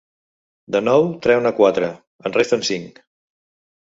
De nou, treu-ne quatre: en resten cinc.